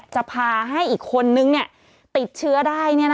จะพาให้อีกคนนึงติดเชื้อได้